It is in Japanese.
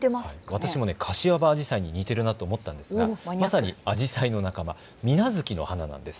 私もカシワバアジサイに似ていると思ったんですがまさにアジサイの仲間、ミナヅキの花です。